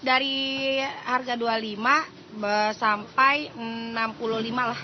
dari harga rp dua puluh lima sampai rp enam puluh lima lah